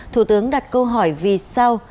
thủ tướng đặt câu hỏi vì sao